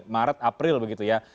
maret april begitu ya